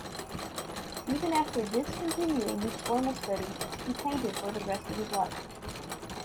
Even after discontinuing his formal study, he painted for the rest of his life.